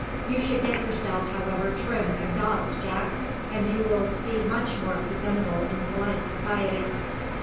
"You should get yourself, however, trimmed and docked, Jack, and you will be much more presentable in polite society."